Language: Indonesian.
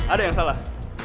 ada yang salah